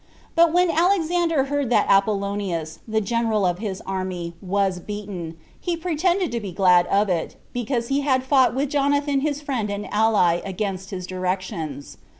But when Alexander heard that Apollonius, the general of his army, was beaten, he pretended to be glad of it, because he had fought with Jonathan his friend and ally against his directions.